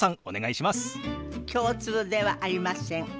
お願いします。